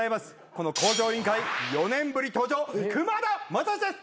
この『向上委員会』４年ぶり登場くまだまさしです。